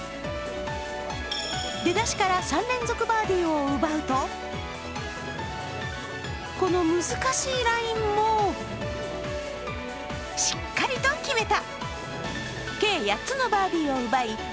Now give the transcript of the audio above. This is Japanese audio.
出だしから３連続バーディーを奪うと、この難しいラインも、しっかりと決めた。